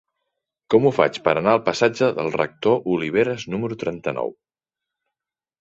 Com ho faig per anar al passatge del Rector Oliveras número trenta-nou?